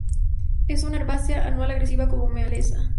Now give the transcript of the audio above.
Es una herbácea anual, agresiva como maleza.